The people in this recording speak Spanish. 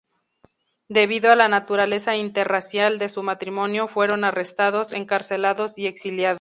Debido a la naturaleza interracial de su matrimonio, fueron arrestados, encarcelados y exiliados.